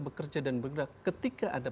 bekerja dan bergerak ketika ada